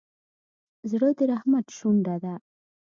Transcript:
زړه د رحمت شونډه ده.